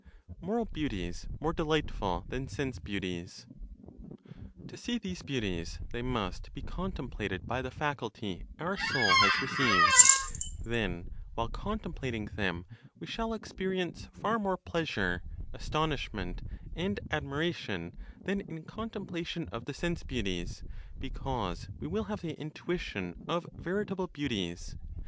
MORAL BEAUTIES MORE DELIGHTFUL THAN SENSE BEAUTIES. To see these beauties, they must be contemplated by the faculty our soul has received; then, while contemplating them, we shall experience far more pleasure, astonishment and admiration, than in contemplation of the sense beauties, because we will have the intuition of veritable beauties.